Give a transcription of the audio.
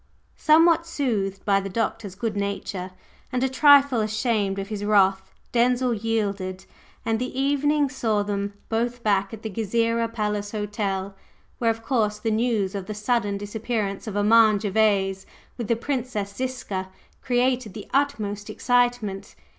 Somewhat soothed by the Doctor's good nature, and a trifle ashamed of his wrath, Denzil yielded, and the evening saw them both back at the Gezireh Palace Hotel, where of course the news of the sudden disappearance of Armand Gervase with the Princess Ziska created the utmost excitement.